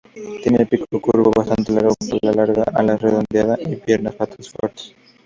Tiene el pico curvo bastante largo, cola larga, alas redondeada y piernas patas fuertes.